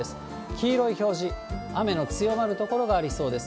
黄色い表示、雨の強まる所がありそうです。